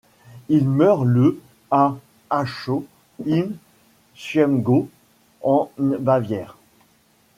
Il meurt le à Aschau im Chiemgau, en Bavière.